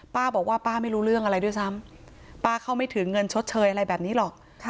ป้าบอกว่าป้าไม่รู้เรื่องอะไรด้วยซ้ำป้าเข้าไม่ถึงเงินชดเชยอะไรแบบนี้หรอก